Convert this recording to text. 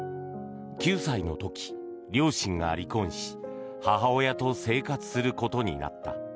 ９歳の時、両親が離婚し母親と生活することになった。